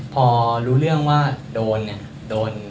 พอรู้เรื่องว่าโดนเนี่ยโดน